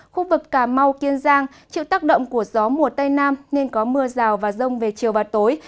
khu vực cà mau kiên giang chịu tác động của gió mùa tây nam nên có mưa rào và rông về chiều và tối